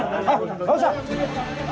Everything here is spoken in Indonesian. saya pakai sendal